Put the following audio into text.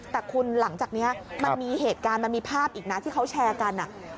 แต่คุณหลังจากนี้มันมีเหตุการณ์มันมีภาพอีกนะที่เขาแชร์กัน